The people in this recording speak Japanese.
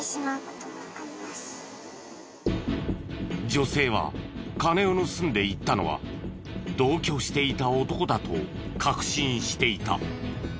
女性は金を盗んでいったのは同居していた男だと確信していた。